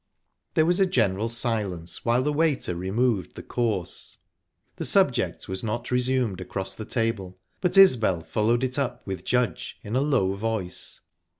There was a general silence, while the waiter removed the course. The subject was not resumed across the table, but Isbel followed it up with Judge, in a low voice.